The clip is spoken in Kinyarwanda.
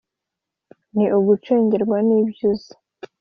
ni ugucengerwa n’ ibyo uzi,